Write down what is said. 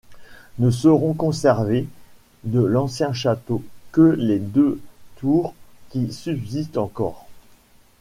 Ne seront conservées de l'ancien château que les deux tours qui subsistent encore.